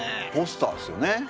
ポスターですよね。